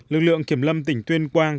lực lượng kiểm lâm tỉnh tuyên quang